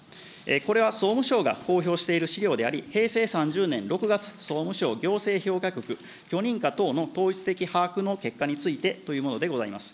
これは総務省が公表している資料であり、平成３０年６月、総務省行政評価局、許認可等の統一的把握の結果についてというものでございます。